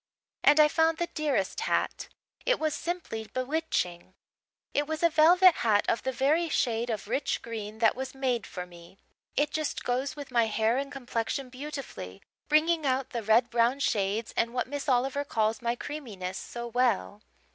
And I found the dearest hat it was simply bewitching. It was a velvet hat, of the very shade of rich green that was made for me. It just goes with my hair and complexion beautifully, bringing out the red brown shades and what Miss Oliver calls my 'creaminess' so well.